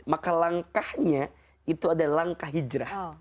maka langkahnya itu ada langkah hijrah